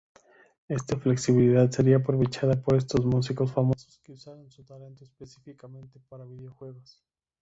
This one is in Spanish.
Este flexibilidad sería aprovechada por músicos famosos que usarían su talento específicamente para videojuegos.